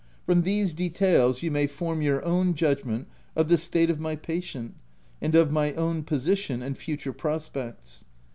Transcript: From these details, you may form your own judgment of the state of my patient, and of my own position and future prospects.